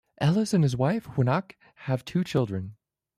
Ellis and his wife, Juanika, have two children.